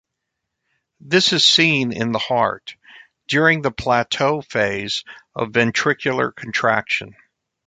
This is seen in the heart, during the plateau phase of ventricular contraction.